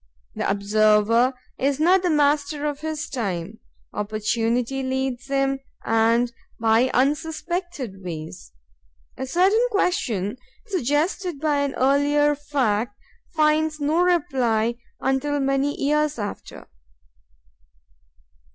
The observer is not master of his time; opportunity leads him and by unsuspected ways. A certain question suggested by an earlier fact finds no reply until many years after.